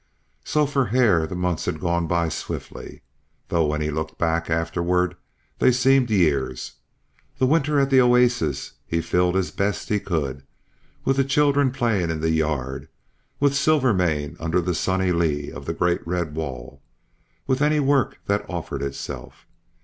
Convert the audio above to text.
So for Hare the months had gone by swiftly; though when he looked back afterward they seemed years. The winter at the oasis he filled as best he could, with the children playing in the yard, with Silvermane under the sunny lee of the great red wall, with any work that offered itself.